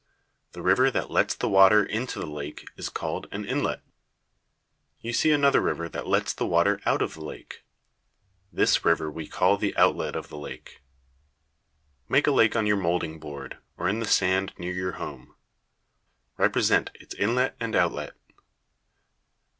The river that lets the water into the lake is called an inlet. You see another river that lets the water out of the lake. This river we call the outlet of the lake. Make a lake on your molding board, or in the sand near your home. Represent its inlet and outlet.